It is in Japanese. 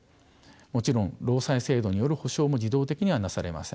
もちろん労災制度による補償も自動的にはなされません。